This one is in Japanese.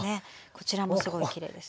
こちらもすごいきれいですね。